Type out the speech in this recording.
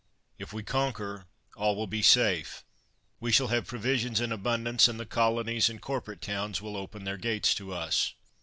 If we conquer, all will be safe ; we shall have pro visions in abundance, and the colonies and cor porate towns will open their gates to us.